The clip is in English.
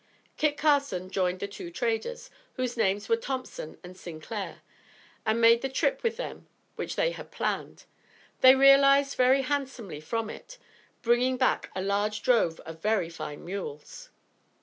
Kit Carson joined the two traders, whose names were Thompson and Sinclair, and made the trip with them which they had planned. They realized very handsomely from it, bringing back a large drove of very fine mules.